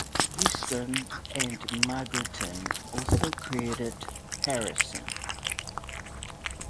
Guesdon and Margotin also credit Harrison.